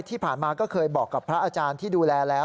ที่ผ่านมาก็เคยบอกกับพระอาจารย์ที่ดูแลแล้ว